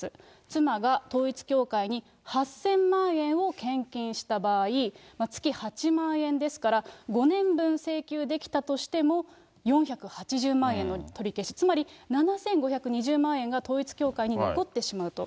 妻が統一教会に８０００万円を献金した場合、月８万円ですから、５年分請求できたとしても、４８０万円の取り消し、つまり７５２０万円が統一教会に残ってしまうと。